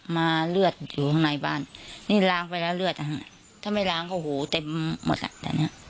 มาเลือดอยู่ข้างในบ้านนี่ล้างไปแล้วเลือดถ้าไม่ล้างก็โหเต็มหมดละ